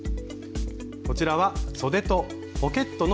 こちらはそでとポケットの袋布。